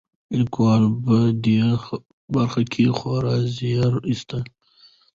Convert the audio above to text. لیکوال په دې برخه کې خورا زیار ایستلی.